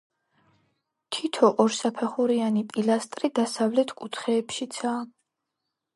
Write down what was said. თითო ორსაფეხურიანი პილასტრი დასავლეთ კუთხეებშიცაა.